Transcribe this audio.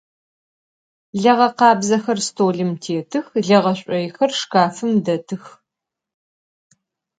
Leğe khabzexer stolım têtıx, leğe ş'oyxer şşkafım detıx.